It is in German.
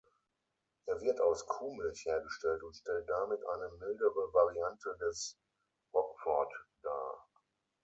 Er wird aus Kuhmilch hergestellt und stellt damit eine mildere Variante des Roquefort dar.